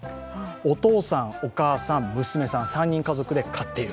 お父さん、お母さん、娘さんの３人家族で飼っている。